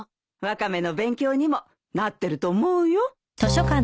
ワカメの勉強にもなってると思うよ。